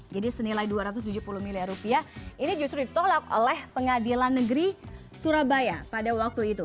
jadi senilai dua ratus tujuh puluh miliar rupiah ini justru ditolak oleh pengadilan negeri surabaya pada waktu itu